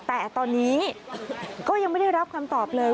แต่ตอนนี้ก็ยังไม่ได้รับคำตอบเลย